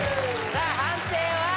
さあ判定は？